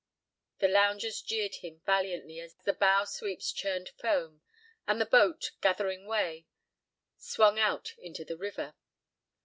The loungers jeered him valiantly as the bow sweeps churned foam, and the boat, gathering weigh, swung out into the river.